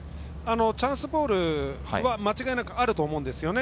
チャンスボールは間違いなくあると思うんですよね。